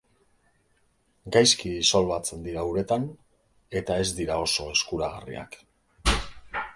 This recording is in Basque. Gaizki disolbatzen dira uretan eta ez dira oso eskuragarriak.